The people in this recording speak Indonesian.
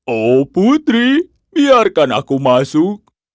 oh putri biarkan aku masuk